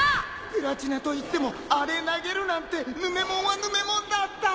プラチナといってもあれ投げるなんてヌメモンはヌメモンだった！